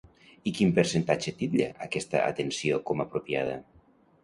I quin percentatge titlla aquesta atenció com apropiada?